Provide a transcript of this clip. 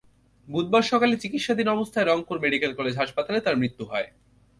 বুধবার সকালে চিকিৎসাধীন অবস্থায় রংপুর মেডিকেল কলেজ হাসপাতালে তাঁর মৃত্যু হয়।